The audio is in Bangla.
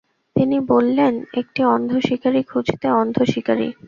তিনি বললেন, একটি অন্ধ শিকারী খুঁজতে অন্ধ শিকারী?